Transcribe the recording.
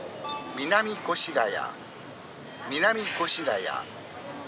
「南越谷南越谷」。